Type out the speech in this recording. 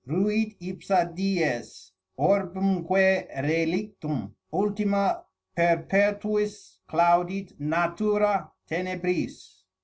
Ruit ipsa Dies, orbemque relictum Ultima perpetuis claudit natura tenebris."